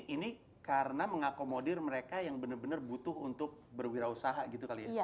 ini karena mengakomodir mereka yang benar benar butuh untuk berwirausaha gitu kali ya